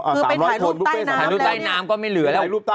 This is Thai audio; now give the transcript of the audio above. รูปใต้น้ำก็ไม่เหลือแล้ว